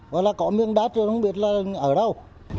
vậy là có miếng đất rồi nó không biết là ở đâu